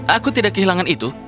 aku tidak kehilangan itu